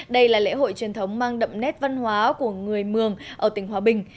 đây là lễ hội truyền thống mang đậm nét văn hóa của người mường ở tỉnh hòa bình